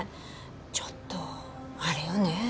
ちょっとあれよね。